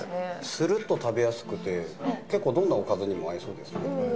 スルッと食べやすくて結構どんなおかずにも合いそうですね。